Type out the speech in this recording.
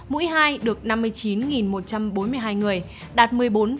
mũi hai được năm mươi chín một trăm bốn mươi hai người đạt một mươi bốn